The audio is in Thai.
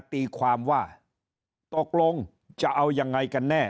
ตีความว่าตกลงจะเอายังไงกันแน่